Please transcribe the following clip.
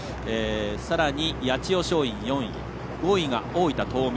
さらに、八千代松陰が４位５位が大分東明。